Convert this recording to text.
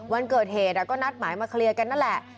วันเกิดเหตุก็นัดหมายมาเคลียร์กันนั่นแหละ